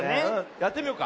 やってみようか。